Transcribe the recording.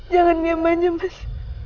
jangan nyemanya mas